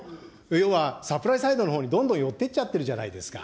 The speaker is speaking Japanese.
要はサプライサイドのほうにどんどん寄ってちゃってるじゃないですか。